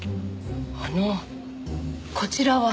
あのこちらは？